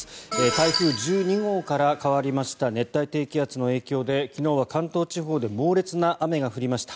台風１２号から変わりました熱帯低気圧の影響で昨日は関東地方で猛烈な雨が降りました。